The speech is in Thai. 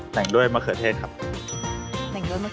แต่งด้วยมะเขือเทศครับแต่งด้วยมะเขือเทศ